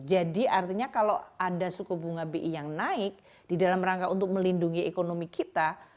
jadi artinya kalau ada suku bunga bi yang naik di dalam rangka untuk melindungi ekonomi kita